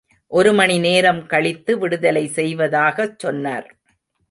ஒரு மணி நேரம் கழித்து விடுதலை செய்வதாகச் சொன்னார்.